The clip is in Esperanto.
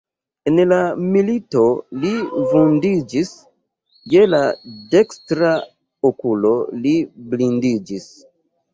En la milito li vundiĝis, je la dekstra okulo li blindiĝis.